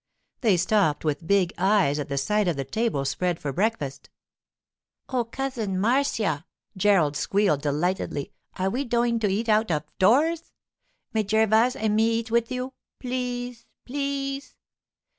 They stopped with big eyes at the sight of the table spread for breakfast. 'Oh, Cousin Marcia!' Gerald squealed delightedly, 'are we doin' to eat out uv doors? May Gervas' an' me eat wif you? Please! Please!